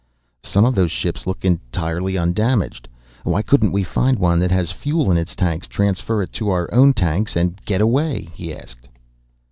"Some of those ships look entirely undamaged. Why couldn't we find one that has fuel in its tanks, transfer it to our own tanks, and get away?" he asked.